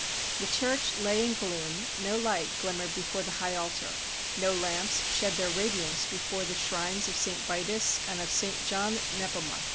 The church lay in gloom, no light glimmered before the high altar, no lamps shed their radiance before the shrines of St. Vitus and of St. John Nepomuk.